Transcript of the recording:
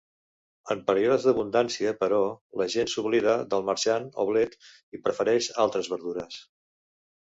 En períodes d'abundància, però, la gent s'oblida del marxant o blet i prefereix altres verdures.